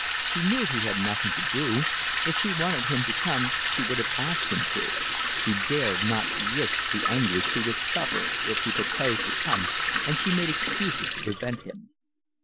She knew he had nothing to do; if she wanted him to come she would have asked him to. He dared not risk the anguish he would suffer if he proposed to come and she made excuses to prevent him.